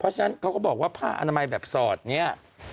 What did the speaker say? เพราะฉะนั้นเขาก็บอกว่าผ้าอนามัยแบบสอดเนี่ย